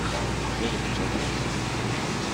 این خیلی کوچک است.